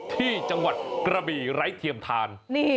ที่จังหวัดกระบี่ไร้เทียมทาน